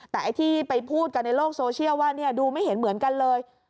แต่ไอ้ที่ไปพูดกันในโลกโซเชียลว่าดูไม่เห็นเหมือนกันเลย